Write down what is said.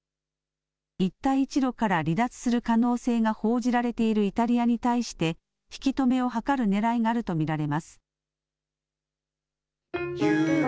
一帯一路から離脱する可能性が報じられているイタリアに対して、引き止めを図るねらいがあると見られます。